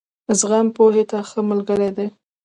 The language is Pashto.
زغم، پوهې ته ښه ملګری دی.